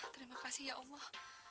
terima kasih ya allah